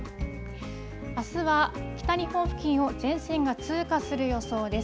あすは北日本付近を前線が通過する予想です。